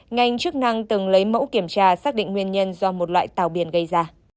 ngành chức năng từng lấy mẫu kiểm tra xác định nguyên nhân do một loại tàu biển gây ra